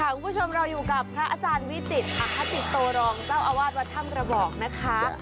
คุณผู้ชมเราอยู่กับพระอาจารย์วิจิตรอคติโตรองเจ้าอาวาสวัดถ้ำระบอกนะคะ